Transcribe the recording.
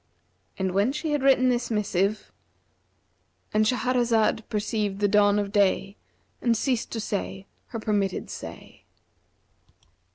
And when she had written the missive,—And Shahrazad perceived the dawn of day and ceased to say her permitted say.